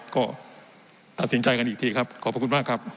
ก็ตัดสินใจกันอีกทีครับขอบพระคุณมากครับ